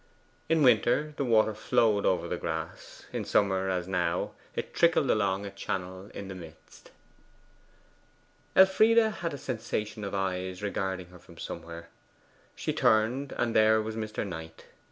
In winter, the water flowed over the grass; in summer, as now, it trickled along a channel in the midst. Elfride had a sensation of eyes regarding her from somewhere. She turned, and there was Mr. Knight.